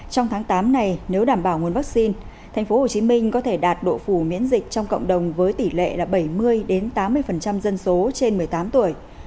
trong tháng tám này nếu đảm bảo nguồn vaccine tp hcm có thể đạt độ phủ miễn dịch trong cộng đồng với tỷ lệ là bảy mươi tám mươi dân số trên một mươi tám tuổi